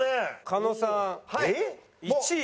狩野さん１位。